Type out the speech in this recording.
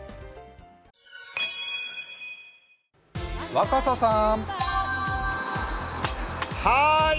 若狭さーん。